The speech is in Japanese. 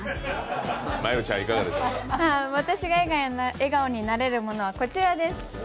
私が笑顔になれるものはこちらです。